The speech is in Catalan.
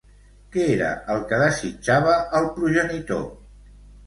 Què era el que desitjava el progenitor?